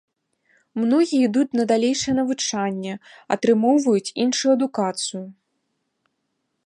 Многія ідуць на далейшае навучанне, атрымоўваюць іншую адукацыю.